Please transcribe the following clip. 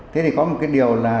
thế thì có một cái điều là